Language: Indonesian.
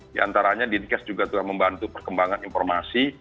di antaranya dinkes juga telah membantu perkembangan informasi